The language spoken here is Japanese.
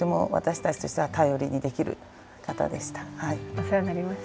お世話になりました。